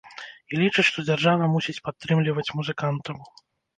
І лічыць, што дзяржава мусіць падтрымліваць музыкантаў.